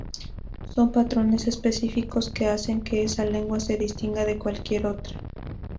Son patrones específicos que hacen que esa lengua se distinga de cualquier otra.